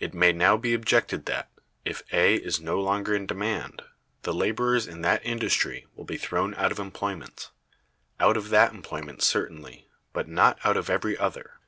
It may now be objected that, if A is no longer in demand, the laborers in that industry will be thrown out of employment. Out of that employment certainly, but not out of every other.